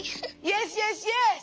よしよしよし！